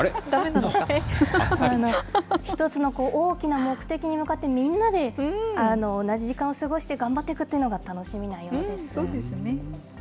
１つの大きな目的に向かって、みんなで同じ時間を過ごして頑張っていくっていうのが楽しみなようです。